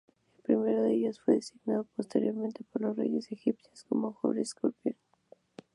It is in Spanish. El primero de ellos fue designado posteriormente por los reyes egipcios como Horus Escorpión.